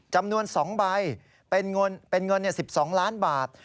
จำนวน๒ใบเป็นเงิน๑๒ล้านบาท